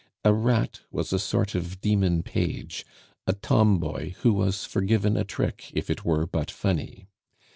A "rat" was a sort of demon page, a tomboy who was forgiven a trick if it were but funny.